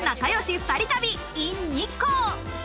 ２人旅ｉｎ日光。